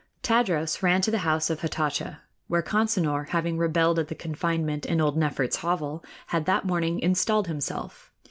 Tadros ran to the house of Hatatcha, where Consinor, having rebelled at the confinement in old Nefert's hovel, had that morning installed himself.